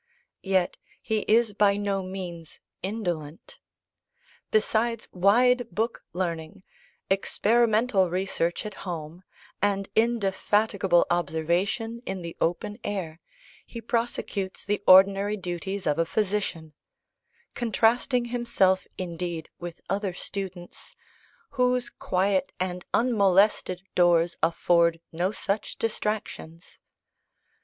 Yet he is by no means indolent. Besides wide book learning, experimental research at home, and indefatigable observation in the open air, he prosecutes the ordinary duties of a physician; contrasting himself indeed with other students, "whose quiet and unmolested doors afford no such distractions."